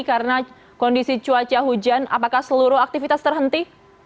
karena kondisi cuaca hujan apakah seluruh aktivitas terhenti